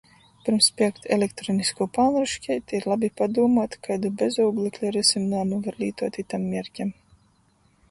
Pyrms pierkt elektroniskū "palnruškeiti", ir labi padūmuot, kaidu bezūglekļa rysynuojumu var lītuot itam mierķam.